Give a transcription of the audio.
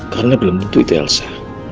karena aku belom nutuh itu elsa